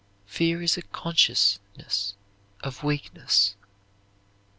Fear is a consciousness of weakness.